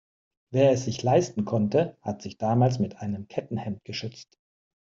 Wer es sich leisten konnte, hat sich damals mit einem Kettenhemd geschützt.